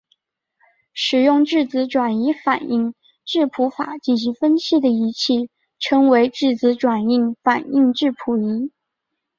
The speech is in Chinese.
使用质子转移反应质谱法进行分析的仪器称为质子转移反应质谱仪。